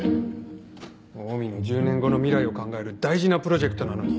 オウミの１０年後の未来を考える大事なプロジェクトなのに。